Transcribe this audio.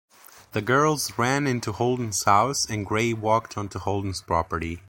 The girls ran into Holden's house as Gray walked onto Holden's property.